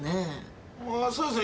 そうですね。